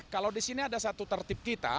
kalau di sini ada satu tertib kita